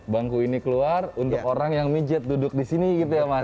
bangku ini keluar untuk orang yang mijat duduk di sini gitu ya mas